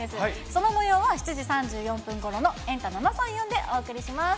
そのもようは７時３４分ごろの、エンタ７３４でお送りします。